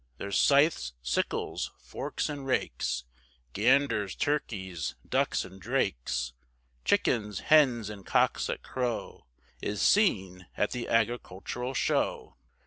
There's scythes, sickles, forks and rakes, Ganders, turkeys, ducks and drakes, Chickens, hens, and cocks that crow, Is seen at the Agricultural Show.